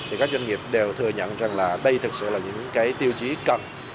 thì các doanh nghiệp đều thừa nhận rằng đây thực sự là những tiêu chí cần